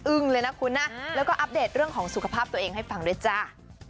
เลยนะคุณนะแล้วก็อัปเดตเรื่องของสุขภาพตัวเองให้ฟังด้วยจ้า